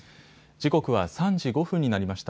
時刻は３時５分になりました。